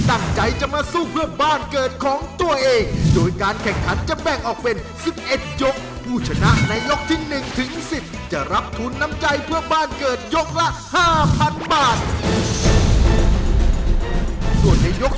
รายการต่อไปนี้เป็นรายการทั่วไปสามารถรับชมได้ทุกวัย